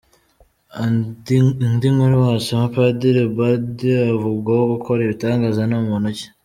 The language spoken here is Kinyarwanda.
Indi nkuru wasoma: Padiri Ubald uvugwaho gukora ibitangaza ni muntu ki?.